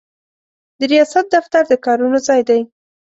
د ریاست دفتر د کارونو ځای دی.